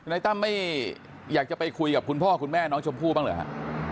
ตั้มไม่อยากจะไปคุยกับคุณพ่อคุณแม่น้องชมพู่บ้างหรือฮะ